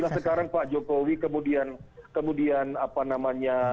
nah sekarang pak jokowi kemudian kemudian apa namanya